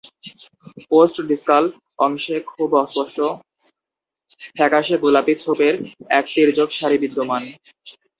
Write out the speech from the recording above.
Post-discal অংশে খুব অস্পষ্ট, ফ্যাকাশে গোলাপি ছোপের এক তীর্যক সারি বিদ্যমান।